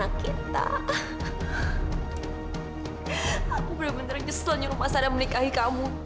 aku bisa terancam